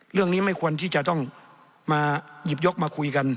ไม่ควรที่จะต้องมาหยิบยกมาคุยกัน